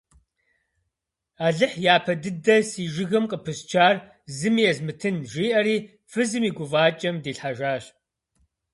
Алыхь япэ дыдэ си жыгым къыпысчар зыми езмытын, – жиӏэри фызым и гуфӏакӏэм дилъхьэжащ.